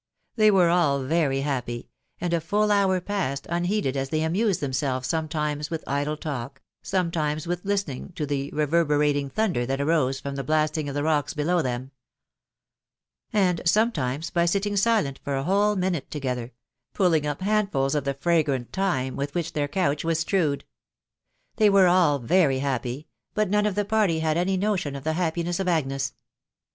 125 They were all very happy, and a full hour passed unheeded as they amused themselves sometimes with idle talk, some * times with listening to the reverberating thunder that arose from the blasting of the rocks below them, and sometimes by sitting silent for a whole minute together, pulling up handfuls of the fragrant thyme with which their couch was strewed. They were all very happy, but none of the party had any notion of the happiness of Agnes.